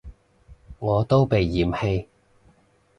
我都被嫌棄